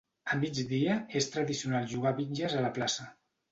Al migdia és tradicional jugar a bitlles a la plaça.